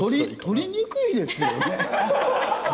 取りにくいですよね。